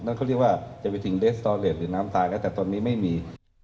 นั่นเขาเรียกว่าจะไปถึงหรือน้ำตายแล้วแต่ตอนนี้ไม่มี